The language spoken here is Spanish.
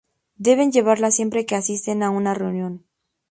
Deben llevarla siempre que asisten a una reunión.